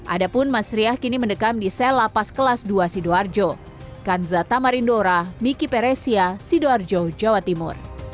adapun mas riah kini mendekam di sel lapas kelas dua sidoarjo